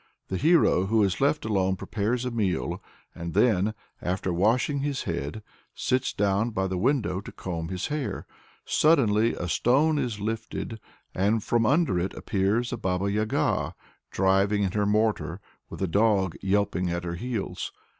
The hero who is left alone prepares a meal, and then, "after washing his head, sits down by the window to comb his hair." Suddenly a stone is lifted, and from under it appears a Baba Yaga, driving in her mortar, with a dog yelping at her heels.